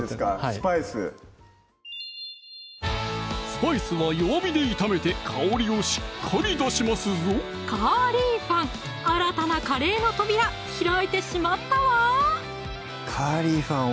スパイススパイスは弱火で炒めて香りをしっかり出しますぞ「カーリーファン」新たなカレーの扉開いてしまったわ「カーリーファン」